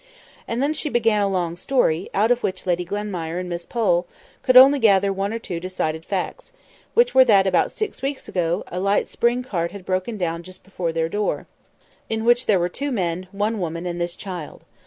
And then she began a long story, out of which Lady Glenmire and Miss Pole could only gather one or two decided facts, which were that, about six weeks ago, a light spring cart had broken down just before their door, in which there were two men, one woman, and this child.